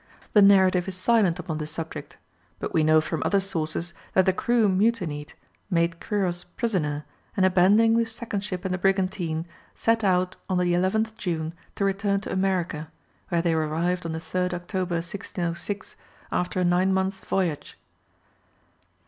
The narrative is silent upon this subject, but we know from other sources that the crew mutinied, made Quiros prisoner, and abandoning the second ship and the brigantine, set out on the 11th June to return to America, where they arrived on the 3rd October, 1606, after a nine months' voyage.